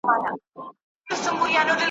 تر خلوته به دي درسي د رندانو آوازونه !.